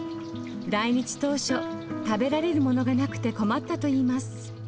来日当初食べられるものがなくて困ったといいます。